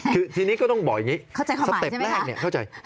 คือทีนี้ก็ต้องบอกอย่างนี้สเต็ปแรกเนี่ยเข้าใจความหมายใช่ไหมครับ